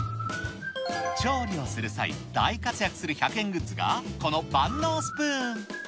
調理をする際、大活躍する１００円グッズが、この万能スプーン。